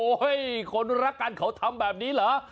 โอ้วโห้ยคนรักกันเขาทำแบบนี้เหรอ